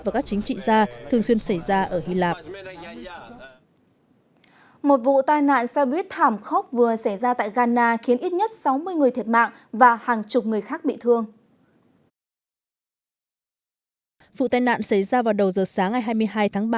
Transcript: vụ tai nạn xảy ra vào đầu giờ sáng ngày hai mươi hai tháng ba